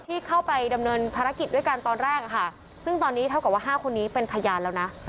ที่เข้าไปดำเนินภารกิจด้วยกันตอนแรกซึ่งตอนนี้เท่ากับว่า๕คนนี้เป็นพยานแล้วนะ